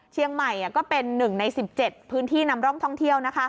เชียงใหม่ก็เป็น๑ใน๑๗พื้นที่นำร่องท่องเที่ยว